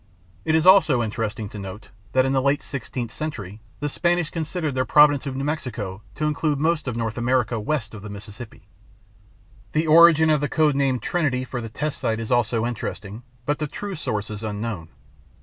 It is also interesting to note that in the late 16th century, the Spanish considered their province of New Mexico to include most of North America west of the Mississippi! The origin of the code name Trinity for the test site is also interesting, but the true source is unknown.